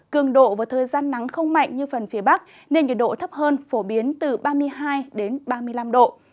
cường độ và thời gian nắng không mạnh như phần phía bắc nên nhiệt độ thấp hơn phổ biến từ ba mươi hai ba mươi năm độ